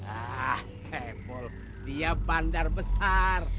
ah cebol dia bandar besar